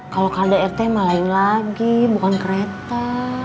kalo k r d r t malahin lagi bukan kereta